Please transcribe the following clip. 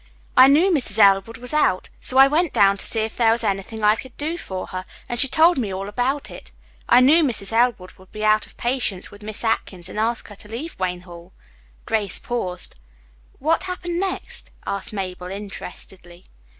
I knew Mrs. Elwood was out, so I went down to see if there were anything I could do for her, and she told me all about it. I knew Mrs. Elwood would be out of patience with Miss Atkins and ask her to leave Wayne Hall." Grace paused. "What happened next?" asked Mabel interestedly.